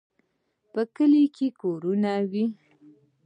په کلي کې کورونه وي.